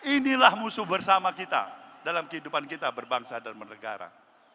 inilah musuh bersama kita dalam kehidupan kita berbangsa dan bernegara